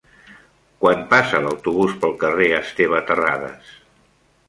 Quan passa l'autobús pel carrer Esteve Terradas?